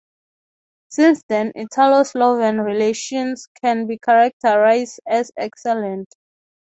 Since then, Italo-Slovene relations can be characterized as excellent.